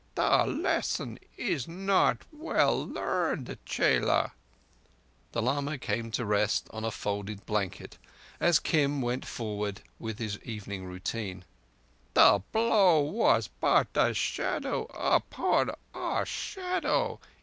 "The lesson is not well learnt, chela." The lama came to rest on a folded blanket, as Kim went forward with his evening routine. "The blow was but a shadow upon a shadow.